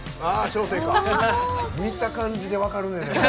見た感じで分かるね